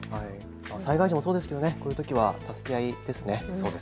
災害時もそうですがこういうときは助け合いですね。